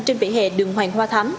trên vỉa hè đường hoàng hòa thám